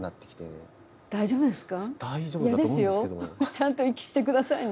ちゃんと息してくださいね。